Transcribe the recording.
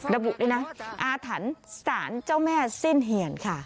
ระบุด้วยนะอาถรรพ์สารเจ้าแม่สิ้นเหี่ยนค่ะ